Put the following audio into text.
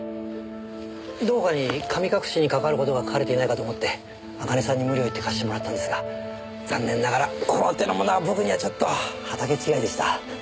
どこかに神隠しにかかわる事が書かれていないかと思って茜さんに無理を言って貸してもらったんですが残念ながらこの手のものは僕にはちょっと畑違いでした。